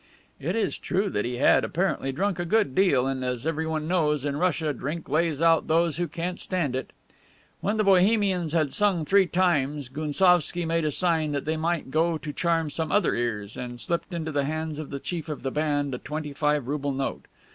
It is true that he had apparently drunk a good deal and, as everyone knows, in Russia drink lays out those who can't stand it. When the Bohemians had sung three times Gounsovski made a sign that they might go to charm other ears, and slipped into the hands of the chief of the band a twenty five rouble note.